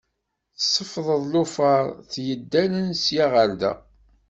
Tseffeḍ lufar t-yeddalen sya ɣer da.